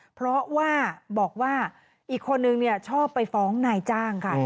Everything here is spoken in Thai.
เพราะว่าบอกว่าอีกคนนึงชอบไปฟ้องนายจ้างค่ะ